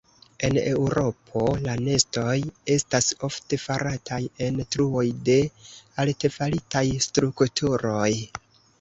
En Eŭropo la nestoj estas ofte farataj en truoj de artefaritaj strukturoj.